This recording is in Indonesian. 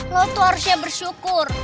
lo tuh harusnya bersyukur